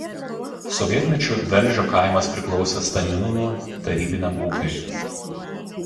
Sovietmečiu Velžio kaimas priklausė Staniūnų tarybiniam ūkiui.